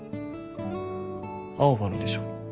青羽のでしょ。